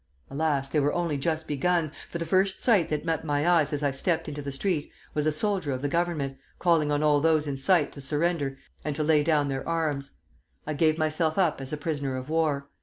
Alas! they were only just begun; for the first sight that met my eyes as I stepped into the street was a soldier of the Government, calling on all those in sight to surrender and to lay down their arms. I gave myself up as a prisoner of war.